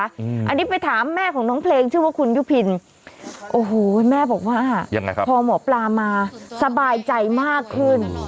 อันนี้ไปถามแม่ของน้องเพลงชื่อว่าคุณยุพินโอ้โหแม่บอกว่ายังไงครับพอหมอปลามาสบายใจมากขึ้น